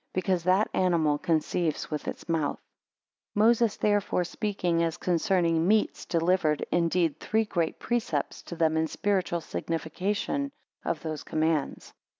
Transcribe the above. Because that animal conceives with its mouth. 10 Moses, therefore, speaking as concerning meats, delivered indeed three great precepts to them in the spiritual signification of those commands.